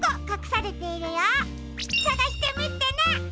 さがしてみてね！